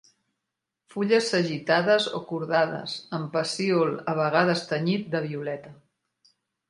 Fulles sagitades o cordades, amb pecíol a vegades tenyit de violeta.